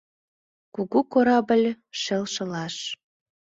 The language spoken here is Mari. Кугу корабль шелшылаш.